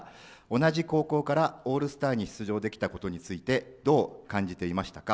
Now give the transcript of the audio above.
同じ高校からオールスターに出場できたことについて、どう感じていましたか。